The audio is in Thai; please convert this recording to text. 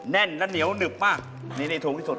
แน่นและเหนียวหนึบมากนี่ถูกที่สุด